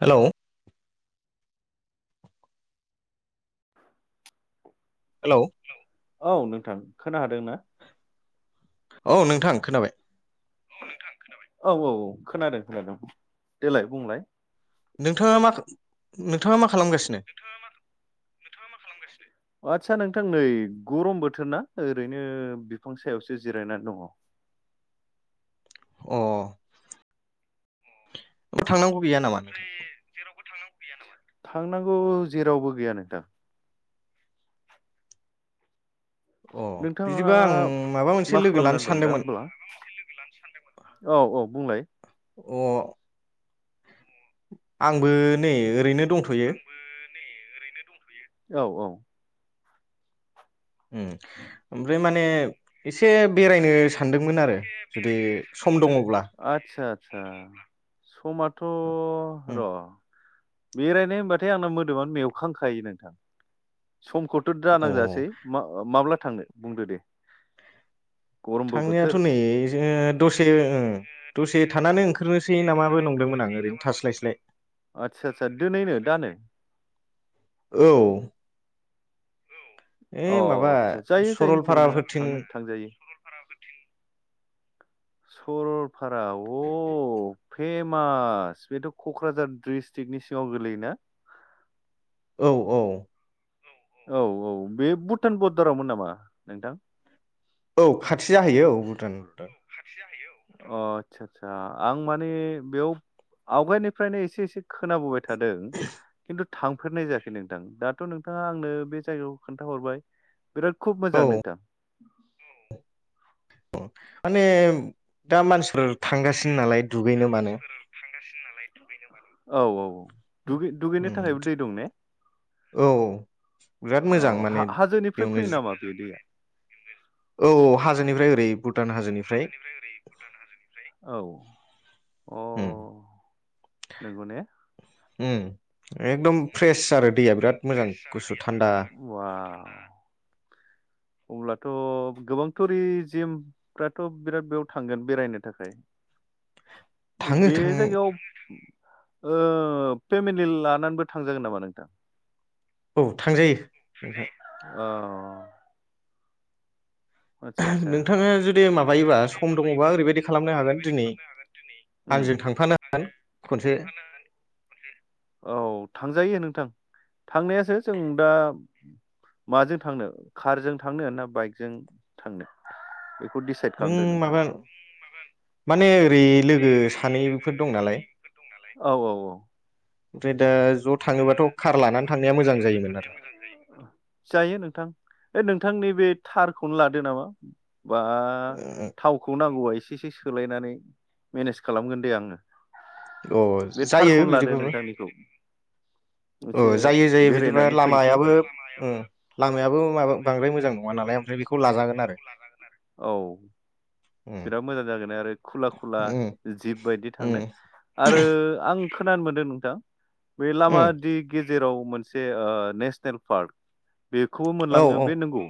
हेल'। Hello. औ नोंथां खोना हादों ना? औ नोंथां खोनाबाय। औ औ खोनादों खोनादों देलाय बुंलाय। नोंथाङा मा नोंथाङा मा खालामगासिनो नोंथाङा मा नोंथाङा मा खालामगासिनो? आदसा नोंथां नै गरम बोथोर ना ओरैनो बिफां सायावसो जिरायनानै दङ। अ थांनांगौ। गैया नामा नोंथां? थांनांगौ जेरावबो गैया नोंथां। अ नोंथाङा बिदिबा आं माबा मोनसे मा लोगो खालामना लानो दं दा सानदोंमोन अब्ला औ औ बुंलाय। अ आंबो नै ओरैनो दंथ'यो। औ औ उम ओमफ्राय माने इसे बेरायनो सा सान्दोंमोन आरो जुदि सम दङब्ला। सा समाथ' उम र बेरायनो होनबाथाय आंना मोदोमानो मेवखांखायो नोंथां। समखौथ' अ दानांजासै मा-माब्ला थांनो बुंदो दे। गरमबो बोथोर थांनायाथ' नै ओ दसे ओ दसे थानानै ओंखारनोस आदसा सा दोनैनो दानो? औ अ ओइ माबा आचसा सा जायो जायो जेबो नोङा सरलपाराफोरथिं थांनो थांजायो। सरलफारा [inaudible] फेमास बेथ' क'क्राझार द्रिस्ट्रिक्नि सिङाव गोलैयोना? औ औ औ औ बे भुटान बरदारावमोन नामा नोंथां? औ खाथि जाहैयो औ भुटान भुटान अ आदसा सा आं माने बेयाव आवगायनिफ्रायनो इसे इसे खोनाबोबाय। थादों किन्थु थांफेरनाय जायाखै नोंथां दाथ' नोंथाङा आंनो बे जायगायाव खोन्थाहरबाय। बिराद खुब औ मोजां नोंथां। अ माने दा मानसिफोर थांगासिनो नालाय दुगैनो मानो औ औ दुगै दुगैनो उम थाखायबो दै दं ने औ बिराद मोजां औ माने हा-हाजोनिफ्राय बेयावनो फैयो नामा बे दैया? औ औ हाजोनिफ्राय ओरै बुटान हाजोनिफ्राय औ अ उम नोंगौ ने? उम एकम फ्रेस आरो दैया बिराद मोजां गुसु थान्दा। मोजां थ' गोबां थ'रिजिमफ्राथ' बिराद बेयाव थांगोन बेरायनो थाखाय। बे थाङो बे थां जायगायाव ओ फेमिलि लानानैबो थांजागोन नामा नोंथां? औ थांजायो। नोंथां। औ। आदसा आदसा नोंथाङा जुदि माबायोबा सम दङबा ओरैबायदि खालामनो हागोन दिनै उम आंजों थांफानो खनसे औ थांजायो नोंथां। थांनायासो जों दा माजों थांनो खारजों थांनो ना बाइकजों थांनो? डिसाइद नों खालामदो नोंथाङा माबा माने ओरै लोगो सानैफोर दं नालाय [inaudible] औ औ औ। ओमफ्राय दा ज' थाङोबाथ' कार लानानै थांनाया मोजां जायोमोन आरो जायो नोंथां ओ नोंथांनि बे थारखौनो लादो नामा? बा थावखौ नांगौबा एसे एसे सोलायनानै मेनेज खालामगोन दे आङो। अ बे जायो थारखौनो लादो बिदिबाबो। नोंथांनिखौ एसे औ जायो जायो बिदिबा बेरायनानै फैनोसै लामायाबो उम लामायाबो माबा बांद्राय मोजां नङानाल ओफ्राय बेखौ लाजागोन आरो औ। उम बिराद मोजां जागोन आरो खुला खुला उम जिब बायदि थांनो उम आरो आं खोनानो मोन्दों नोंथां बे लामा उम दि गेजेराव मोनसे नेसनेल पार्क बेखौबो औ मोनलाङो औ बे नोंगौ?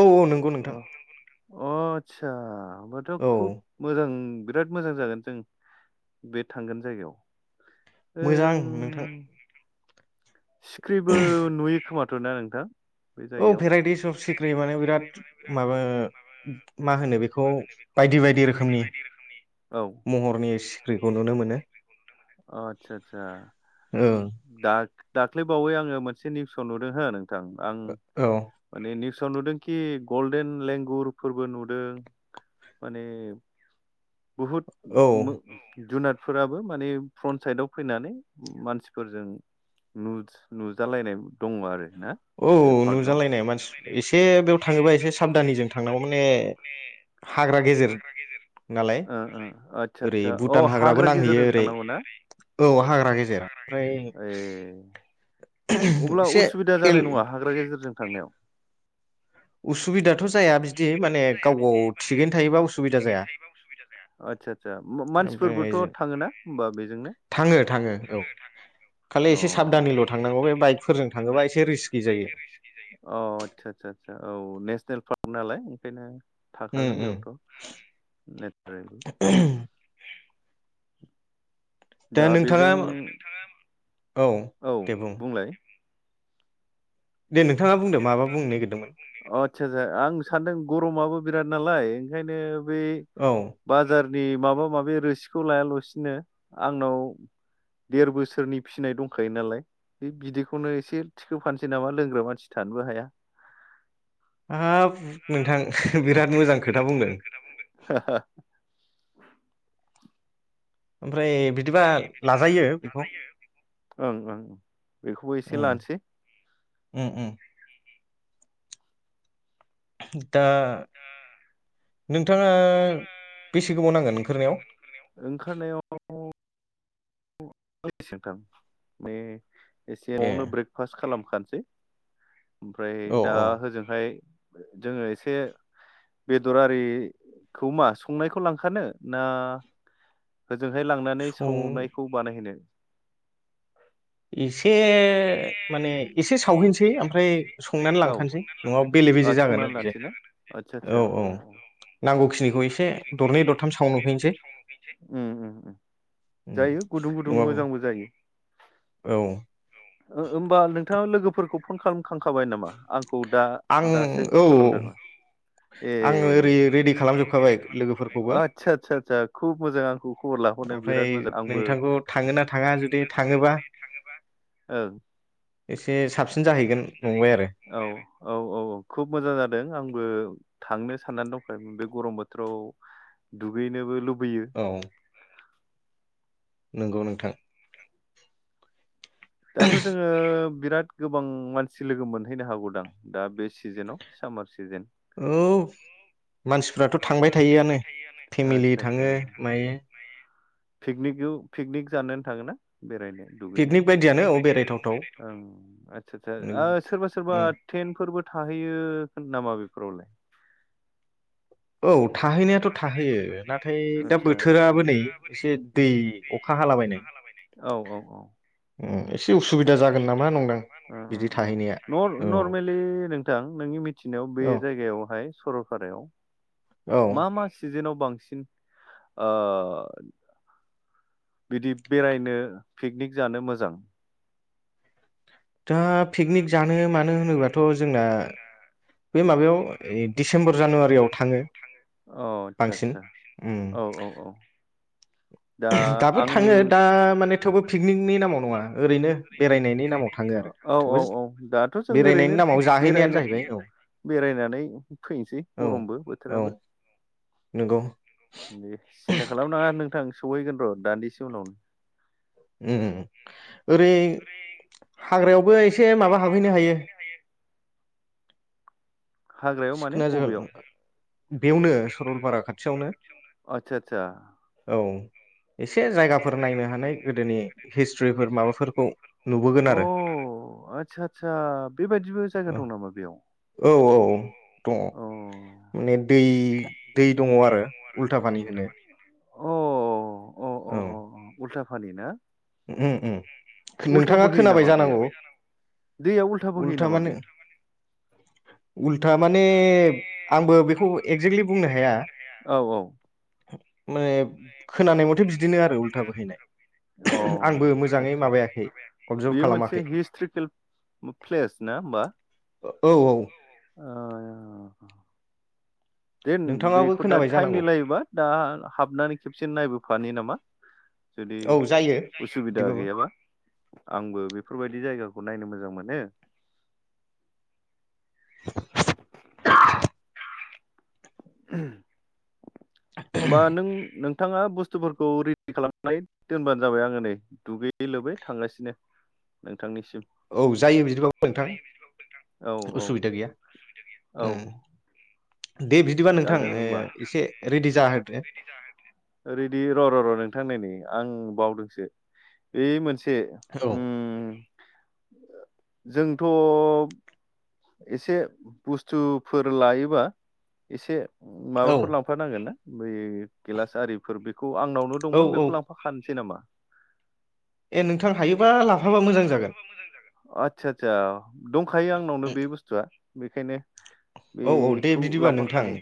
औ औ नंगौ नोंथां अ [inaudible] होमबाथ' औ खुब मोजां बिराद मोजां जागोन जों बे थांगोन जायगायाव। मोजां नोंथां। ओं सिख्रिबो नुयो खोमा [unintelligible] नोंथां बे औ जायगायाव भेराइटि सब सिख्रि माने बिराद माबा मा होनो बेखौ बायदि बायदि रोखोमनि औ महरनि सिख्रिखौ नुनो मोनो। अ आतसा आतसा ओं दा दाख्लै बावै आङो मोनसे निउसाव नुदों हो नों आं औ माने निउ साव नुदों कि गल्डेन लेंगुरफोरबो नुदों माने बहुत औ मो जुनाद फोराबो माने फ्रन‌ साइदाव फैनानै मानसिफोरजों नुज नुजालायनाय दङ' आरो ना औ बे पार्कआव नुजालायनाय मानसि एसे बेयाव थाङोबा एसे साबधानिजों थांनांगौ। माने हाग्रा गेजेर नालाय ओ ओ आदसा ओरै आदसा अ भुटान हाग्रा हाग्राबो गेजेरजों नांहैयो ओरै थांनांगौ ना औ हाग्रा गेजेर ओमफ्राय ए अब्ला एसे उसुबिदा एल जानाय नङा हाग्रा गेजेरजों? थांनायाव असुबिदा थिगैनो थायोबा उसुबिदा जाया आदसा सा अ मानसिफोरबोथ' ओमफ्राय थाङोना होमबा बेजोंनो थाङो थाङो औ खालि अ एसे साबधानैल' थांनांगौ बे बाइकफोरजों थाङोबा एसे रिस्कि जायो अ आदसा सा। औ नेसनेल पार्क नालाय ओंखायनो उम थाखागोन उम बेयावथ' [unintelligible] दा बेजों औ दे बुं बुंलाय दे नोंथाङा बुंदो माबा बुंनो नागिरदोंमोन आदसा सा आं सानदों गरमाबो [unintelligible] बिराद नालाय ओंखायनो बे औ बाजार नि माबा माबि रोसिखौ लायाल'सिनो आंनाव देर बोसोरनि फिसिनाय दंखायो नालाय बे बिदैखौनो एसे थिखोफानोसै नामा लोंग्रा मानसि थानोबो हाया। हा [unintelligible] नोंथां बिराद मोजां खोथा बुंदों। ओमफ्राय बि ओं ओंं बेखौबो एसे उम लानोसै। उम उम दा नोंथाङा बेसे गोबाव नांगोन ओंखारनायाव ओंखारनायाव [unintelligible] बे ए एसेयावनो ब्रेकफास्ट खालाम खानसै ओमफ्राय औ दा औ होजोंहाय [unintelligible] जोङो एसे बेदर आरिखौ मा संनायखौ लांखानो ना होजोंहाय लांनानै सं सावनायखौ बानायहोनो सावहैस औ ओ बेले बेजे जागोन ओरैजाय संनानैलांसैना आतसा आतसा औ औ नांगौखिनिखौ एसे दरनै दरथाम सावनुफैनोसै उम उम उम जायो गुदुं गुदुं नङाबा मोजांबो जायो औ ओ होमबा नोंथाङा लोगोफोरखौ फन खालामखांखाबाय नामा आं खौ दा दासो खालामदों ए आंङो ओरै रेडि खालामजोबखाबाय लोगोफोरखौबो आदसा आदसा आदसा खुब मोजां आंखौ खबर लाहरनाया ओमफ्राय बिराद मोजां आंबो नोंथांखौ थांङो ना थाङा जुदि थाङोबा ओ एसे साबसि औ औ औ औ खुब मोजां जादों आंबो थांनो साननानै दंखाय बे गरम बोथोराव दुगैनोबो लुब औ नंगौ नोंथां दाथ जोङो बिराद गोबां मानसि लोगो मोनहैनो हागौदां दा बे सिजेनाव सामार सिजेन औ मानसिफ्राथ थांबाय थायोआनो फेमिलि थाङो मायो पिकनिक गौ पिकनिक जानोनो थाङोन ना बेरायनो? दुगैनो पिकनिक बायदियानो औ बेरायथावथाव औ आदसा सा ओ उम सोरबा सोरबा थेनथफोरबो थाहैयो नामा बेफोरावलाय औ थाहैनायाथ थाहैयो नाथाय दा बोथोराबो नै एसे दै अखा हाला बायनाय [inaudible] ओ ओ बिदि बिदि थाहैनाया थांबा न औ नरमेलि नोंथां नोंनि मिथिनायाव बे औ जायगायावहाय सरलपारायाव औ मा मा सिजेनाव बांसिन ओ बिदि बेरायनो पिकनिक जानो मोजां दा पिकनिक जानो मानो होनोबाथ जोंना बे माबायाव डिसेम्बर जानुवारियाव थाङो अ आदसा बांसिन आदसा उम औ औ औ दा दाबो आंनि थाङो दा माने थेवबो पिकनिकनि नाम माव नङा ओरैनो बेरायनायनि नामाव थाङो आरो औ थेवबो औ औ दाथ जों बेरायनायनि ओरैनो नामाव जाहैनायानो बेरायनो जाहैबाय औ बेरायनानै फैनोसै औ गरमबो औ बोथोराबो नंगौ दे सिन्था खालामनाङा नोंथां सहैगोन र दान्दिसे उनाव उ उ उम ओरै हाग्रायाव बै से माबा हाबहैनो हायो। हाग्रायाव माने सिखना बबेयाव जोहोलाव आ बेवनो सरलपारा खाथियावनो आदसा आदसा औ एसे जायगाफोर नायनो हानाय गोदोनि हिस्ट्रिफोर माबाफोरखौ नुबोगोन अ' आरो आदसा आदसा बेबायदिबो जायगा औ दं नामा बेयाव? औ औ दङ अ माने दै दै दङ आरो। उल्था पानि होनो। अ अ अ औ अ उल्था फानि ना? उम उम उल्था नोंथाङा बोहैयो खोनाबाय नामा बेयो जानांगौ? दैया बोहैयो उल्था नामा माने बेयो उल्था माने आंबो बेखौ एक्जेक्टलि बुंनो हाया। औ औ मैब खोनानाय मथे बिदिनो आरो उल्था बोहैनाय। अ' आंबो आदसा मोजाङै माबायाखै आदसा अबजार्भ बेयो मोनसे खालामाखै हिस्टिकेल प्लेस ना होमबा। औ औ ओ देन नोंथाङाबो बेखौ दा खोनाबाय टाइम जानांगौ मिलायोबा दा हाबनानै खेबसे नायबोफानो नामा? जुदि औ जायो उसुबिदा बिदिबाबो गैयाबा आंबो बेफोरबायदि जायगा खौ नायनो मोजां मोनो। उह होमबा नों नो नोंथाङा बुस्थुफोरखौ रेडि खालामनानै दोनबानो जाबाय आङो नै दुगैयै लोबै थांगासिनो नों औ जायो बिदिबाबो नोंथां औ औ उसुबिदा गैया। औ ओ दे बिदिबा नोंथां जागोन ओ दे होमबा एसे रेडि जाहोदो बिदिब्ला नोंथां रेडि र' र' र' नोंथां नै नै आं बावदोंसो बे मोनस से औ उम ओ जोंथ' एसे बुस्थुफोर लायोबा एसे औ माबाफोर लांफानांगोन ना? बै गिलास आरिफोर बेख खौ आंनावनो औ दंमोन औ बेखौ लांफाखानोसै नामा? ए नोंथां हायोबा लाफाबा मोजां जागोन आदसा सा दंखायो आंनावनो सुआ बेखायनो औ औ दे बेखौ बिदिबा नोंथां लांफाखानि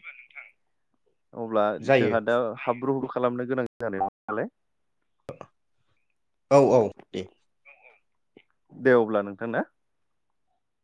अब्ला जायो जोंहा दा हाब्रु खालामनो गोनां जानाय नङा [inaudible] लाय। औ औ दे। दे अब्ला नोंथां ना।